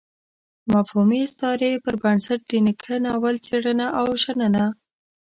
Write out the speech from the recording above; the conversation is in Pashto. مفهومي استعارې پر بنسټ د نيکه ناول څېړنه او شننه.